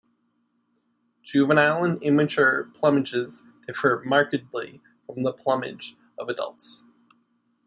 Juvenile and immature plumages differ markedly from the plumage of adults.